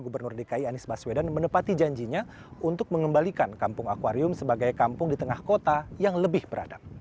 gubernur dki anies baswedan menepati janjinya untuk mengembalikan kampung akwarium sebagai kampung di tengah kota yang lebih beradab